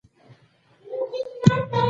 د شپې د څراغ رڼا د کور شاوخوا خورې وه.